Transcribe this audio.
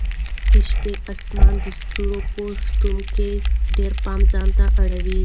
د شپې اسمان د ستورو په شتون کې ډېر پام ځانته اړوي.